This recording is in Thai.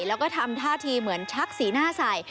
แล้วก็ทำท่าทีเหมือนชักสีหน้าใส่